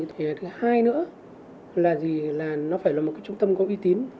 thứ hai nữa là gì là nó phải là một trung tâm có uy tín